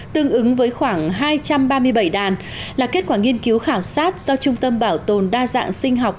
tương ứng với khoảng hai trăm ba mươi bảy đàn là kết quả nghiên cứu khảo sát do trung tâm bảo tồn đa dạng sinh học